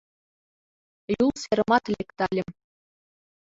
Юл серымат лектальым